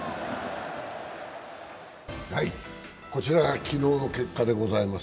こちらが昨日の結果でございます。